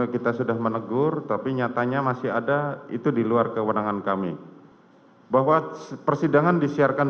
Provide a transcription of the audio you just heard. kita sudah menegur tapi nyatanya masih ada itu di luar kewenangan kami bahwa persidangan disiarkan